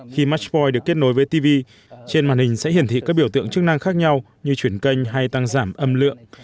khi matppore được kết nối với tv trên màn hình sẽ hiển thị các biểu tượng chức năng khác nhau như chuyển kênh hay tăng giảm âm lượng